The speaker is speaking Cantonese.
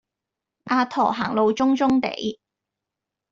阿駝行路中中地